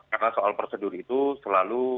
karena soal prosedur itu selalu